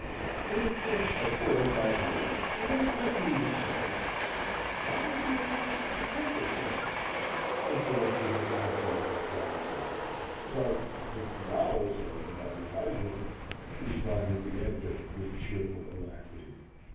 In the course of four or five years, when the country was settled, "What would be the cost to print this yer?" interrupted Mr. McCorkle, quietly. "About fifty dollars, as an advertisement," responded the editor with cheerful alacrity.